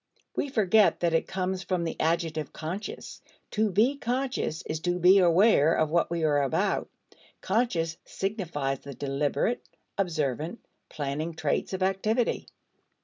We forget that it comes from the adjective "conscious." To be conscious is to be aware of what we are about; conscious signifies the deliberate, observant, planning traits of activity.